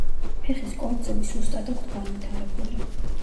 ფეხის კორძები სუსტად აქვთ განვითარებული.